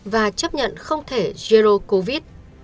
và chấp nhận không thể zero covid